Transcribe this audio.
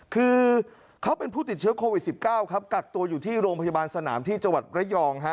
คือเขาเป็นผู้ติดเชื้อโควิด๑๙ครับกักตัวอยู่ที่โรงพยาบาลสนามที่จังหวัดระยองฮะ